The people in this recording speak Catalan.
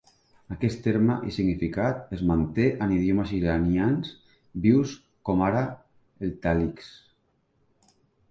Aquest terme i significat es manté en idiomes iranians vius com ara el talix.